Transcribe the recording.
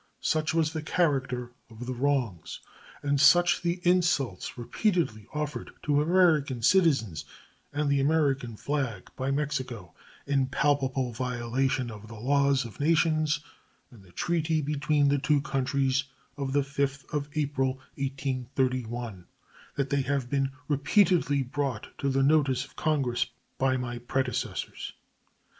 Such was the character of the wrongs and such the insults repeatedly offered to American citizens and the American flag by Mexico, in palpable violation of the laws of nations and the treaty between the two countries of the 5th of April, 1831, that they have been repeatedly brought to the notice of Congress by my predecessors.